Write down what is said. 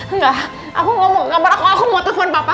engga aku ga mau ke kamar aku mau telepon papa